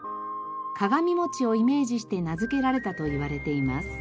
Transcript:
鏡餅をイメージして名付けられたといわれています。